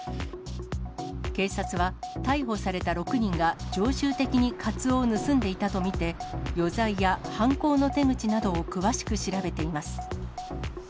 警察は、逮捕された６人が常習的にカツオを盗んでいたと見て、余罪や犯行の手口などを詳しく調べています。